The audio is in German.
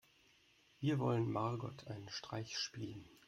Wir wollen Margot einen Streich spielen.